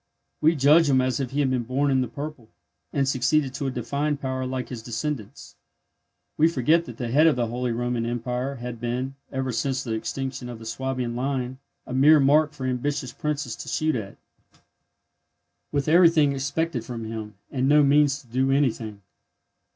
We judge him as if he had been born in the purple and succeeded to a defined power like his descendants. We forget that the head of the Holy Roman Empire had been, ever since the extinction of the Swabian line, a mere mark for ambitious princes to shoot at, with everything expected from him, and no means to do anything.